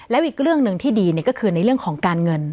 และอีกเรื่องหนึ่งที่ดีก็คือในเรื่องของการเงิน